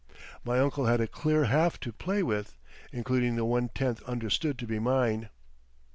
My uncle had a clear half to play with (including the one tenth understood to be mine).